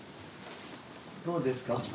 どうですか？